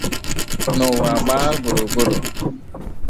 n'ụwa gbaa gburugburu